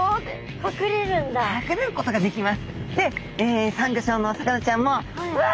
隠れることができます！